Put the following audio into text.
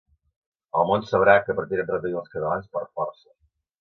El món sabrà que pretenen retenir els catalans per força.